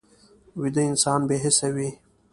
ویده انسان بې حسه وي